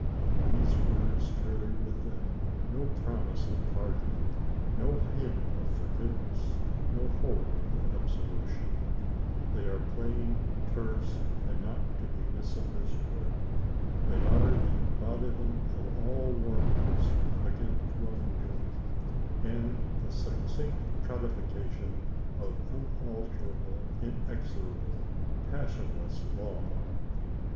These words carry with them no prom ise of pardon, no hint of forgiveness, no hope of absolution. They are plain, terse, and not to be misunderstood. They are the embodiment of all warnings against wrong doing, and the succinct codification of unalterable, inexorable, passionless law.